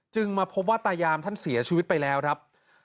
มาพบว่าตายามท่านเสียชีวิตไปแล้วครับ